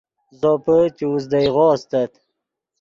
زوپے چے اوزدئیغو استت